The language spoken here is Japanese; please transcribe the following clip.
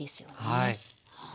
はい。